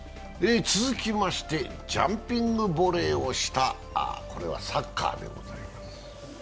ジャンピングボレーをした、サッカーでございます。